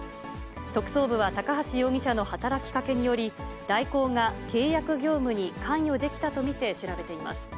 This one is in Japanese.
特捜部は、高橋容疑者の働きかけにより、大広が契約業務に関与できたと見て調べています。